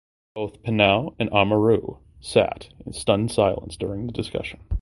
Both Pineau and Amoureux sat in stunned silence during the discussion.